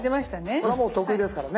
これはもう得意ですからね。